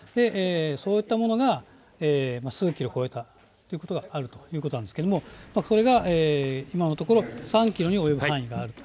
そういったものが数キロ超えたということがあるということなんですけれども、それが今のところ３キロに及ぶ範囲があると。